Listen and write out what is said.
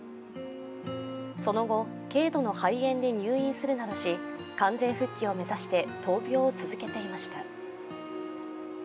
その後、軽度の肺炎で入院するなどし、完全復帰を目指して闘病を続けていました。